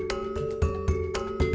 disenaraikan dengan tetap